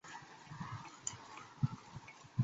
现在有了房子